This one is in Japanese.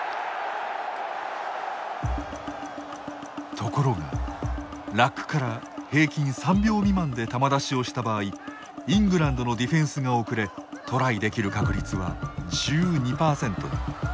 ところがラックから平均３秒未満で球出しをした場合イングランドのディフェンスが遅れトライできる確率は１２％に。